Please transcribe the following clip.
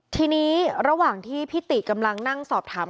ทีนี้ระหว่างที่พี่ติกำลังนั่งสอบถาม